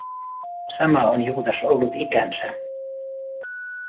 Sama on Juutas ollut ikänsä.